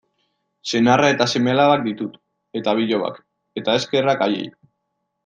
Senarra eta seme-alabak ditut, eta bilobak, eta eskerrak haiei.